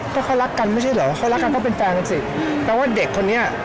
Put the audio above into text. ก็เขารักกันไม่ใช่เหรอเขารักกันก็เป็นแฟนกันสิแปลว่าเด็กคนนี้